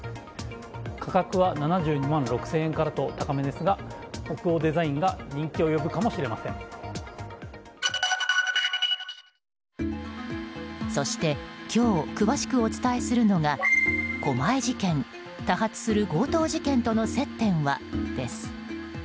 価格は７２万６０００円と高めですが、北欧デザインがそして今日詳しくお伝えするのが狛江事件、多発する強盗事件との接点は、です。